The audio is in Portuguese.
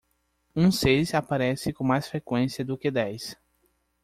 Um seis aparece com mais frequência do que dez.